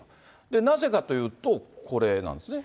なぜかというと、これなんですね。